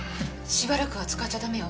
しばらくは使っちゃダメよ。